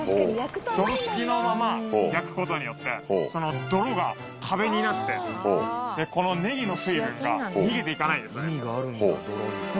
泥付きのまま焼くことによってその泥が壁になってこのねぎの水分が逃げていかないんです